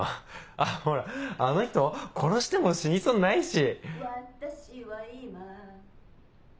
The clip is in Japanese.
あほらあの人殺しても死にそうにないし。